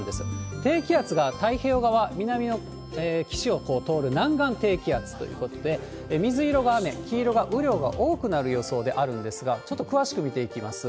低気圧が太平洋側、南の岸を通る南岸低気圧ということで、水色が雨、黄色が雨量が多くなる予想であるんですが、ちょっと詳しく見ていきます。